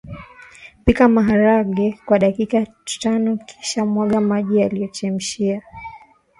pika maharage kwa dakika tanokisha mwaga maji uliyochemshia